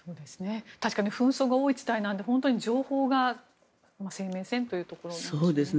確かに紛争が多い地帯なので情報が生命線というところですね。